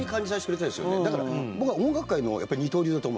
だから僕は音楽会の二刀流だと思うんですよ。